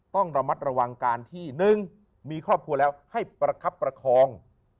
ต้องระมัดระวังการที่๑มีครอบครัวแล้วให้ประคับประคอง